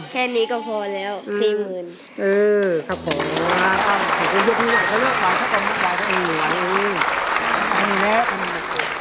แค่นี้ก็เพราะแล้ว๔๐๐๐๐